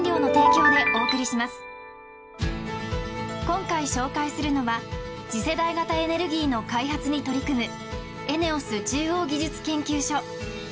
今回紹介するのは次世代型エネルギーの開発に取り組むＥＮＥＯＳ